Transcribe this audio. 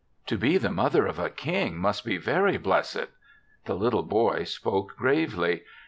" To be the mother of a King must be very blessed. The little boy spoke gravely.